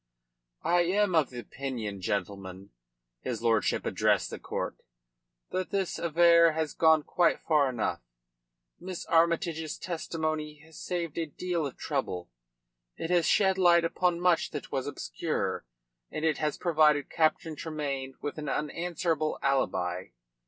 "I am of opinion, gentlemen," his lordship addressed the court, "that this affair has gone quite far enough. Miss Armytage's testimony has saved a deal of trouble. It has shed light upon much that was obscure, and it has provided Captain Tremayne with an unanswerable alibi.